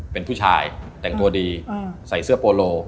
เป็นผู้ชายแต่งตัวดีใส่เสื้อโปโล